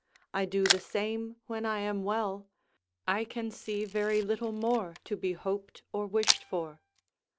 I do the same when I am well; I can see very little more to be hoped or wished for.